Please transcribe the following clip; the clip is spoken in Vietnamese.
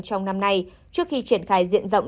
trong năm nay trước khi triển khai diện rộng